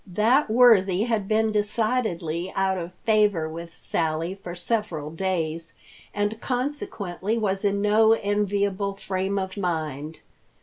That worthy had been decidedly out of favor with Sally for several days, and consequently was in no enviable frame of mind.